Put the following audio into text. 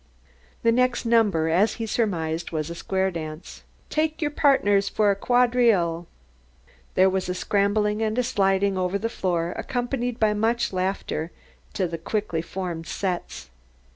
The next number, as he surmised, was a square dance. "Take your pardners fer a quadrille!" There was a scrambling and a sliding over the floor, accompanied by much laughter, to the quickly formed "sets."